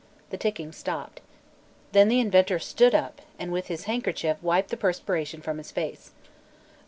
The ticking stopped. Then the inventor stood, up and with his handkerchief wiped the perspiration from his face.